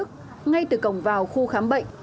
ở đức ngay từ cổng vào khu khám bệnh